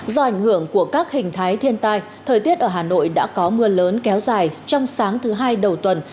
do ảnh hưởng của các hình thái thiên tai thời tiết ở hà nội đã có mưa lớn kéo dài trong sáng thứ hai đầu tuần